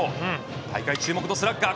大会注目のスラッガー。